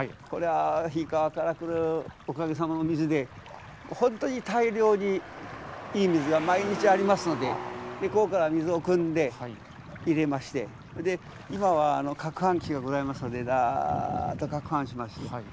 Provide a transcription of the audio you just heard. これは斐伊川から来るおかげさまの水でほんとに大量にいい水が毎日ありますのでここから水をくんで入れましてそれで今はかくはん機がございますのでざっとかくはんしまして。